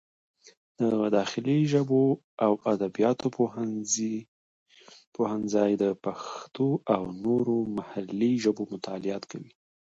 د داخلي ژبو او ادبیاتو پوهنځی د پښتو او نورې محلي ژبې مطالعه کوي.